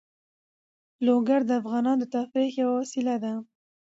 لوگر د افغانانو د تفریح یوه وسیله ده.